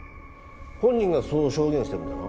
本人がそう証言してるんだな？